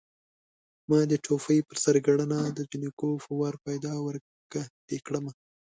ما دې ټوپۍ په سر ګڼله د جنکو په وار پيدا ورکه دې کړمه